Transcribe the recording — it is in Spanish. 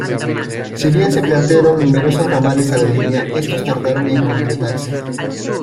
Si bien se plantearon numerosos ramales a la línea, estos tardaron en concretarse.